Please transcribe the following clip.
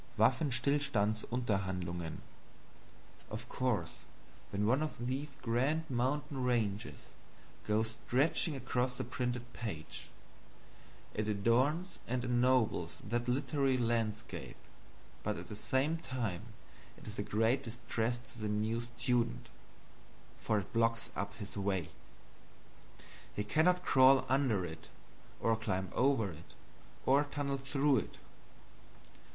Waffenstillstandsunterhandlungen. Of course when one of these grand mountain ranges goes stretching across the printed page, it adorns and ennobles that literary landscape but at the same time it is a great distress to the new student, for it blocks up his way; he cannot crawl under it, or climb over it, or tunnel through it.